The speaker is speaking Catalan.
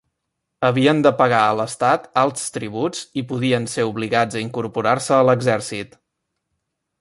Havien de pagar a l'estat alts tributs i podien ser obligats a incorporar-se a l'exèrcit.